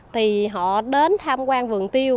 thì họ đến tham quan vườn tiêu